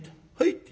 って。